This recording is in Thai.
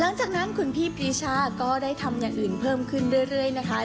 หลังจากนั้นคุณพี่ปรีชาก็ได้ทำอย่างอื่นเพิ่มขึ้นเรื่อยนะคะ